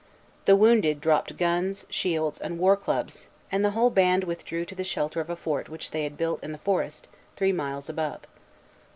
The wounded dropped guns, shields, and war clubs, and the whole band withdrew to the shelter of a fort which they had built in the forest, three miles above.